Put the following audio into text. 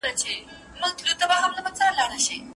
پوهي د انسان په زړه کي د پرمختګ هيله ژوندۍ ساتي تل پاته سي.